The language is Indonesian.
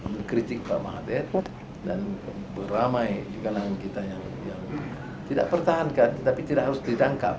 mengkritik pak mahathir dan beramai di kalangan kita yang tidak pertahankan tetapi tidak harus ditangkap